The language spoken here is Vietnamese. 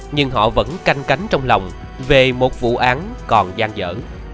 nhưng họ vẫn canh cánh trong lòng về một vụ án còn gian dở